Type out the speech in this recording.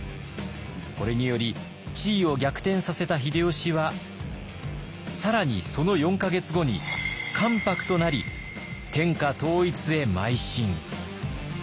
これにより地位を逆転させた秀吉は更にその４か月後に関白となり天下統一へまい進。